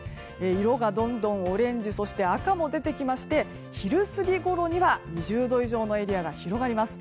色が、どんどんオレンジそして赤も出てきまして昼過ぎごろには２０度以上のエリアが広がります。